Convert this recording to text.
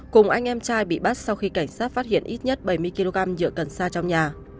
cùng anh em trai bị bắt sau khi cảnh sát phát hiện ít nhất bảy mươi kg nhựa cần xa trong nhà